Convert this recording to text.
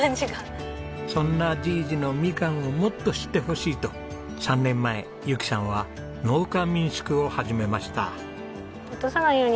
そんなじぃじのみかんをもっと知ってほしいと３年前ゆきさんは農家民宿を始めました。